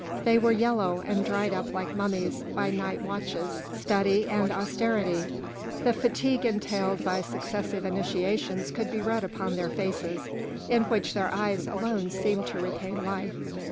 They were yellow and dried up like mummies by night watches, study, and austerity; the fatigue entailed by successive initiations could be read upon their faces, in which their eyes alone seemed to retain life.